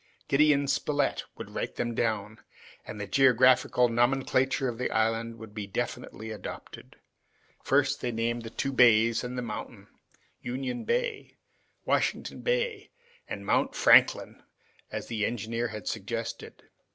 Gideon Spilett would write them down, and the geographical nomenclature of the island would be definitely adopted. First, they named the two bays and the mountain, Union Bay, Washington Bay, and Mount Franklin, as the engineer had suggested.